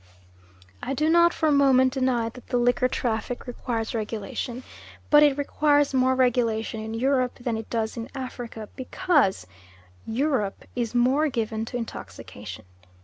I do not for a moment deny that the liquor traffic requires regulation, but it requires more regulation in Europe than it does in Africa, because Europe is more given to intoxication.